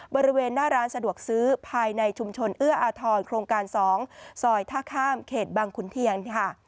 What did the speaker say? บริเวณหน้าร้านสะดวกซื้อภายในชุมชนเอื้ออาทรโครงการ๒ซอยท่าข้ามเขตบังขุนเทียนค่ะ